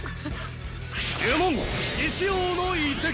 呪文獅子王の遺跡。